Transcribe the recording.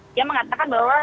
dia mengatakan bahwa